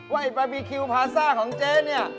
ว่าไอ้บาบีคิวพาซ่าของเจ๊เนี่ย